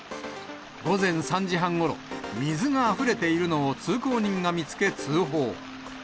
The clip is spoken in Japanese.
午前３時半ごろ、水があふれているのを通行人が見つけ、通報。